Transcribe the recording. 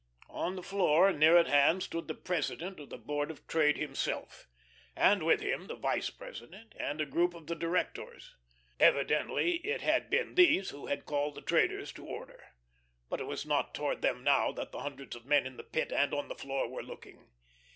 On the floor, near at hand, stood the president of the Board of Trade himself, and with him the vice president and a group of the directors. Evidently it had been these who had called the traders to order. But it was not toward them now that the hundreds of men in the Pit and on the floor were looking.